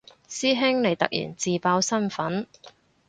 師兄你突然自爆身份